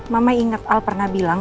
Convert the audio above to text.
mama ingat al pernah bilang